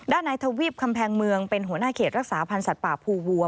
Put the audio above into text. ในทวีปคำแพงเมืองเป็นหัวหน้าเขตรักษาพันธ์สัตว์ป่าภูวัว